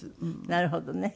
なるほどね。